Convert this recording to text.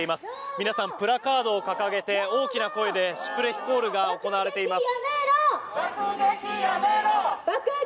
皆さんプラカードを掲げて大きな声でシュプレヒコールが行われています。